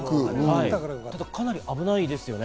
かなり危ないですよね。